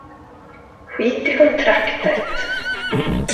Skit i kontraktet!